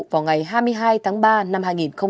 vào ngày hai mươi hai tháng ba năm hai nghìn một mươi chín